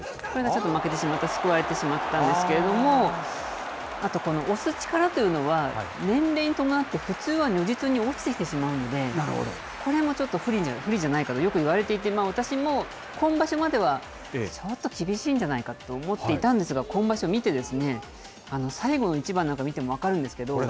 これがすくわれてしまったんですけれども、あとこの押す力というのは、年齢に伴って、普通は如実に落ちてきてしまうので、これもちょっと不利じゃないかとよくいわれていて、私も今場所までは、ちょっと厳しいんじゃないかと思っていたんですが、今場所見て、最後の一番なんか見ても分かるんですけど。